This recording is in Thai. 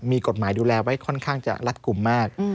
มีกฎหมายดูแลไว้ค่อนข้างจะรัดกลุ่มมาก